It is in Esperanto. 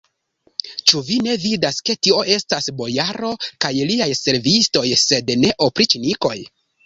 Ĉu vi ne vidas, ke tio estas bojaro kaj liaj servistoj, sed ne opriĉnikoj?